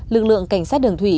lực lượng cảnh sát đường thủy